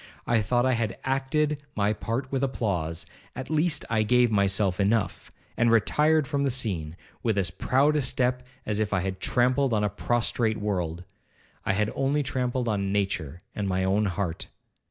I thought I had acted my part with applause, at least I gave myself enough, and retired from the scene with as proud a step as if I had trampled on a prostrate world, I had only trampled on nature and my own heart.